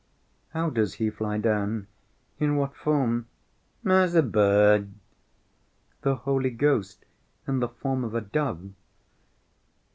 "How does he fly down? In what form?" "As a bird." "The Holy Ghost in the form of a dove?"